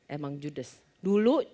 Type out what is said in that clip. emang judes dulu